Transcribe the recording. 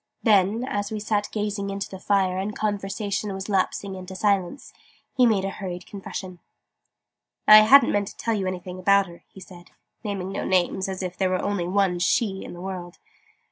Then, as we sat gazing into the fire, and conversation was lapsing into silence, he made a hurried confession. "I hadn't meant to tell you anything about her," he said (naming no names, as if there were only one 'she' in the world!)